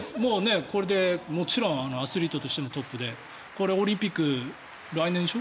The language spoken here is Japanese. これでアスリートとしてもトップでオリンピック、来年でしょ。